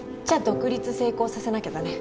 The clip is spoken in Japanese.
独立成功させなきゃだね